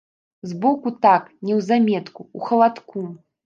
Збоку так, неўзаметку, у халадку.